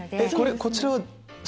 こちらは。